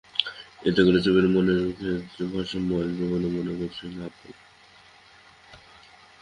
এতে করে ছবির মানের ক্ষেত্রে ভারসাম্য আসবে বলে মনে করছে অ্যাপল।